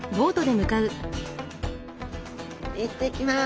行ってきます。